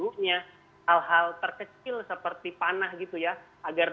juga exatamente langsung yg menggunakan ponsel royal juga